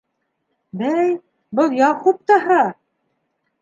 Бәй, был Яҡуп та баһа!